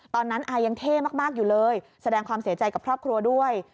อายังเท่มากอยู่เลยแสดงความเสียใจกับครอบครัวด้วย